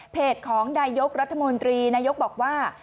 ของนายกรัฐมนตรีนายกบอกว่า